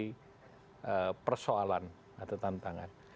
banyak sekali persoalan atau tantangan